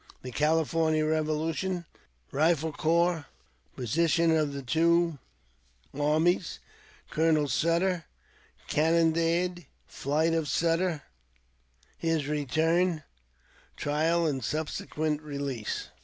The Californian Revolution — Rifle Corps — Position of the two Armies — Colonel Sutter — Cannonade — Flight of Sutter — His Return — Trial and subsequent Release.